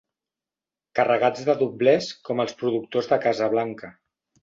Carregats de doblers com els productors de Casablanca.